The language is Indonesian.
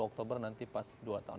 dua puluh oktober nanti pas dua tahun